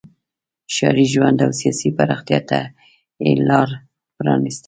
ښاري ژوند او سیاسي پراختیا ته یې لار پرانیسته.